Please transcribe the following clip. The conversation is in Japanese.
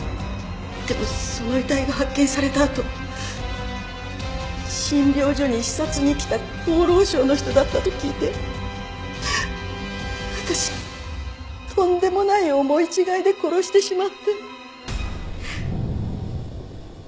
でもその遺体が発見されたあと診療所に視察に来た厚労省の人だったと聞いて私とんでもない思い違いで殺してしまって。